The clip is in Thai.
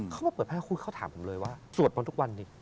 เขามาเปิดภาคคุณเขาถามผมเลยว่าสวดบ้างทุกวันนี่